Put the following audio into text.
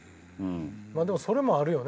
まあでもそれもあるよね。